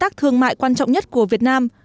đối tác thương mại quan trọng nhất của việt nam